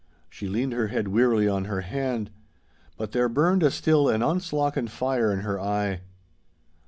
She leaned her head wearily on her hand. But there burned a still and unslockened fire in her eye.